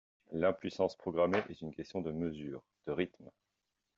L’impuissance programmée est une question de mesure, de rythme.